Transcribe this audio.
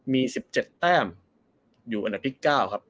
มี๑๗แต้มอยู่อันดับที่๙ครับ